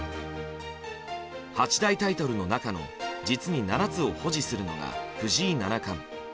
八大タイトルの中の実に７つを保持するのが藤井七冠。